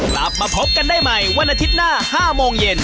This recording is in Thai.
กลับมาพบกันได้ใหม่วันอาทิตย์หน้า๕โมงเย็น